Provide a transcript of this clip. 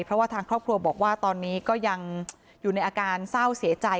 เพราะว่าทางครอบครัวบอกว่าตอนนี้ก็ยังอยู่ในอาการเศร้าเสียใจ